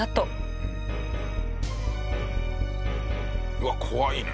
うわっ怖いね。